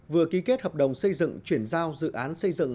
vừa ký kết hợp đồng xây dựng chuyển giao dự án xây dựng